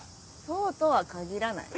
そうとは限らない。